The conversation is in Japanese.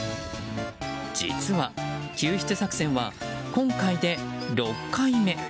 実は、救出作戦は今回で６回目。